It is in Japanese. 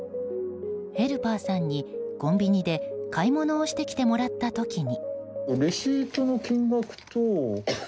ヘルパーさんにコンビニで買い物をしてきてもらった時に。